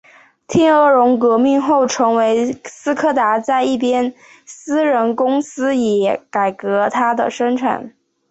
天鹅绒革命后成为斯柯达在一边私人公司也改革它的生产。